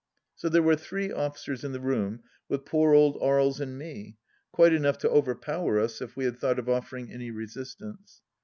So there were three oflBcers in the room with poor old Aries and me, quite enough to overpower us if we had thought of offering any resistance.